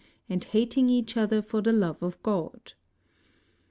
And hating each other for the love of God.